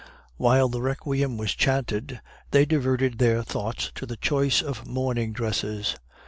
"While the Requiem was chanted, they diverted her thoughts to the choice of mourning dresses.